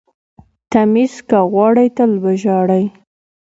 ـ تميز که غواړئ تل به ژاړئ.